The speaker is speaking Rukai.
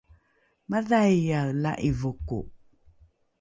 madhaiae la’ivoko